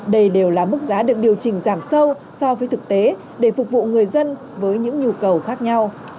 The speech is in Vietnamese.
đây đều là mức giá được điều chỉnh giảm sâu so với thực tế để phục vụ người dân với những nhu cầu khác nhau